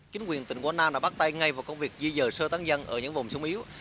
chính quyền tỉnh quảng nam đã bắt tay ngay vào công việc di dời sơ tán dân ở những vùng sung yếu